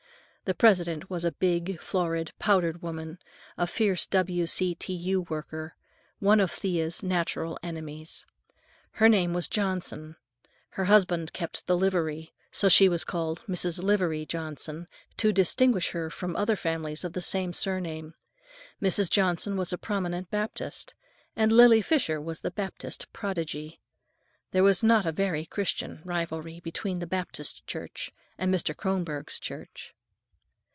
The president was a big, florid, powdered woman, a fierce W.C.T.U. worker, one of Thea's natural enemies. Her name was Johnson; her husband kept the livery stable, and she was called Mrs. Livery Johnson, to distinguish her from other families of the same surname. Mrs. Johnson was a prominent Baptist, and Lily Fisher was the Baptist prodigy. There was a not very Christian rivalry between the Baptist Church and Mr. Kronborg's church.